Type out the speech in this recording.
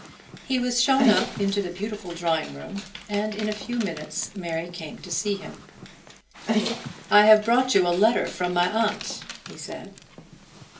He was shown up into the beautiful drawing room, and in a few minutes Mary came to him. "I have brought you a letter from my aunt," he said.